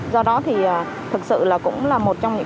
do đó thì thực sự là cũng là một trong những